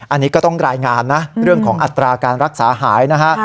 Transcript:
อันนี้ก็ต้องรายงานนะเรื่องของอัตราการรักษาหายนะฮะ